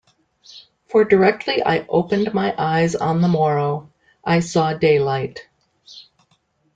For directly I opened my eyes on the morrow, I saw daylight.